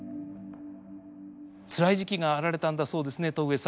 つらい時期があられたんだそうですね戸上さん。